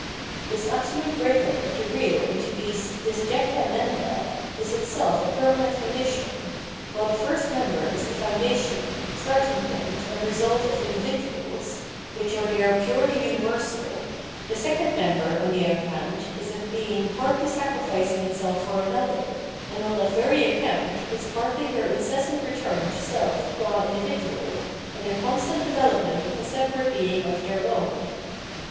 This absolute break up of the real into these disjecta membra is itself a permanent condition; while the first member is the foundation, starting point, and result of individuals, which are there purely universal, the second member, on the other hand, is a being partly sacrificing itself for another, and, on that very account, is partly their incessant return to self qua individual, and their constant development of a separate being of their own.